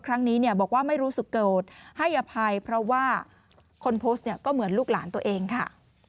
ครั้งนี้เนี่ยบอกว่าไม่รู้สึกโกรธให้อภัยเพราะว่าคนโพสต์เนี่ยก็เหมือนลูกหลานตัวเองค่ะ